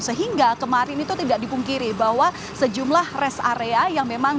sehingga kemarin itu tidak dipungkiri bahwa sejumlah rest area yang memang